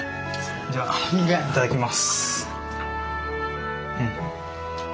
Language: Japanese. じゃあいただきます。